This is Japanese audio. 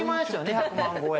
１００万超え。